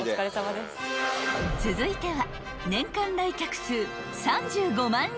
［続いては］